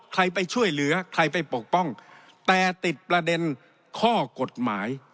ใครไปช่วยเหลือใครไปปกป้องแต่ติดประเด็นข้อกฎหมาย